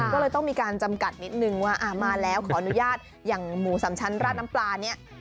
ก็เลยต้องมีการจำกัดนิดนึงว่ามาแล้วขออนุญาตอย่างหมูสามชั้นราดน้ำปลาเนี่ย